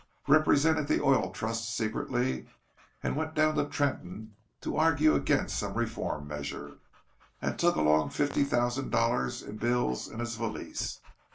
Represented the Oil Trust secretly, and went down to Trenton to argue against some reform measure, and took along fifty thousand dollars in bills in his valise.